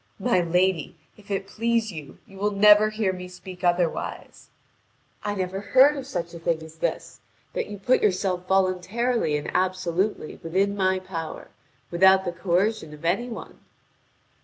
"My lady, if it please you, you will never hear me speak otherwise." "I never heard of such a thing as this: that you put yourself voluntarily and absolutely within my power, without the coercion of any one."